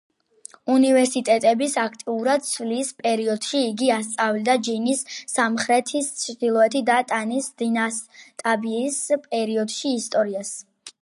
უნივერსიტეტების აქტიურად ცვლის პერიოდში იგი ასწავლიდა ჯინის სამხრეთის, ჩრდილოეთის და ტანის დინასტიების პერიოდის ისტორიას.